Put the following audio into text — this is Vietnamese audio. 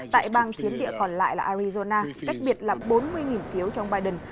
tại bang chiến địa còn lại là arizona cách biệt là bốn mươi phiếu trong biden